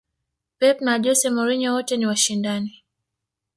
pep na jose mourinho wote ni washindani